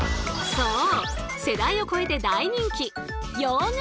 そう！